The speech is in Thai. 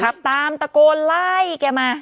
ขับตามตะโกนไล่แกมา